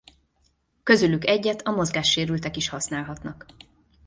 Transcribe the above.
Közülük egyet a mozgássérültek is használhatnak.